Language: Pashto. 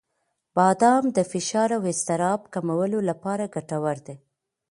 • بادام د فشار او اضطراب کمولو لپاره ګټور دي.